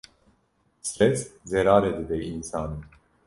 Stres zerarê dide însanî.